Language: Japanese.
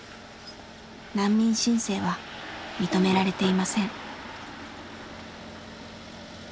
難民申請は認められていません。